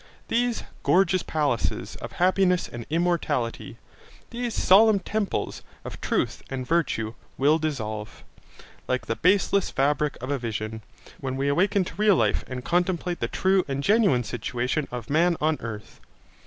These 'gorgeous palaces' of happiness and immortality, these 'solemn temples' of truth and virtue will dissolve, 'like the baseless fabric of a vision', when we awaken to real life and contemplate the true and genuine situation of man on earth.